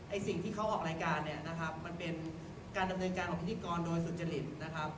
สิ่งที่เขาออกรายการเนี่ยนะครับมันเป็นการดำเนินการของพิธีกรโดยสุจริตนะครับ